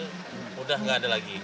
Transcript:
sudah tidak ada lagi